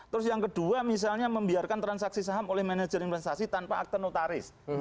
terus yang kedua misalnya membiarkan transaksi saham oleh manajer investasi tanpa akte notaris